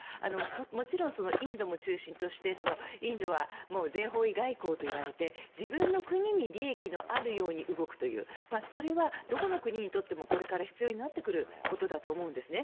もちろんインドも中心としてインドは全方位外交といわれて自分の国に利益のあるように動くというそれはどこの国にとってもこれから必要になってくると思うんですね。